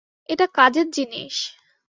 এটা কাজের জিনিস।